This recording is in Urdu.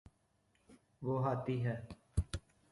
وہ ہاتھی ہے